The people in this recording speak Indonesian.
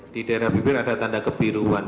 di daerah bibir ada tanda kebiruan